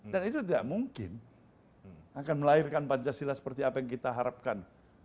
dan itu tidak mungkin akan melahirkan pancasila seperti apa yang kita harapkan